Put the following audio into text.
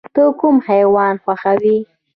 ته کوم حیوان خوښوې؟